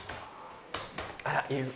あらいる。